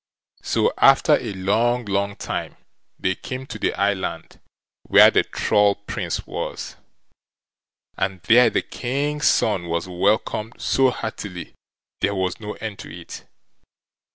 So after a long, long time, they came to the island where the Troll Prince was; and there the King's son was welcomed so heartily there was no end to it.